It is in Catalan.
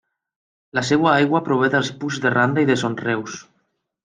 La seva aigua prové dels puigs de Randa i de Son Reus.